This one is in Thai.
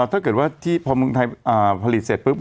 ถ้าเกิดว่าที่พอเมืองไทยผลิตเสร็จปุ๊บ